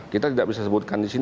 kita tidak bisa sebutkan di sini